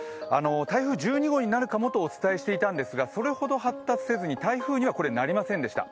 台風１２号になるかもとお伝えしていたですが、それほど発達せずに台風にはなりませんでした。